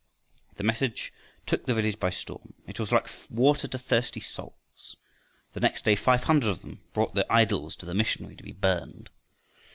The message took the village by storm. It was like water to thirsty souls. The next day five hundred of them brought their idols to the missionary to be burned.